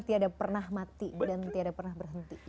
tidak pernah mati dan tidak pernah berhenti